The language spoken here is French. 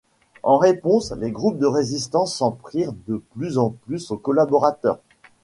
En réponse, les groupes de résistance s'en prirent de plus en plus aux collaborateurs.